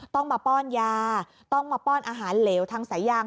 ต้องมาป้อนยาต้องมาป้อนอาหารเหลวทางสายยาง